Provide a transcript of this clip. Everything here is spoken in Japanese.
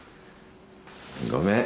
ごめん。